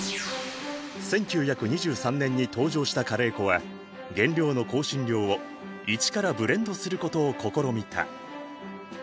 １９２３年に登場したカレー粉は原料の香辛料を一からブレンドすることを試みた。